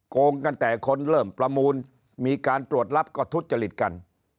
โกงกันแต่คนเริ่มประมูลมีการตรวจรับก็ทุจริตกัน